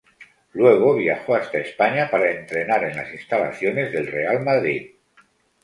Luego viajó hasta España para entrenar en las instalaciones del Real Madrid.